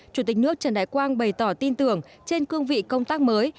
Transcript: chủ tịch nước trần đại quang bày tỏ tin tưởng trên cương vị công tác mới